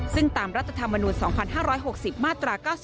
ซึ่งตามรัฐธรรมนุน๒๕๖๐มาตรา๙๒